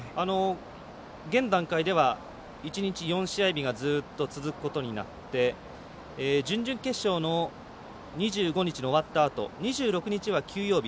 現段階では１日４試合日がずっと続くことになって準々決勝の２５日終わったあと２６日は休養日。